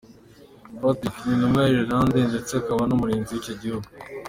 Patrick ni intumwa ya Ireland ndetse akaba n’umurinzi w’icyo gihugu.